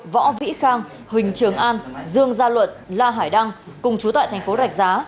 võ vĩ khang huỳnh trường an dương gia luận la hải đăng cùng chú tại tp rạch giá